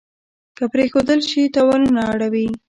که پرېښودل شي تاوانونه اړوي.